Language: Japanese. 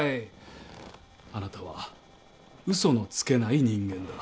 あなたは嘘のつけない人間だ。